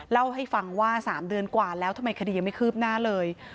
เล่าให้ฟังว่า๓เดือนกว่าแล้วทำไมคดียังไม่คืบหน้าเลย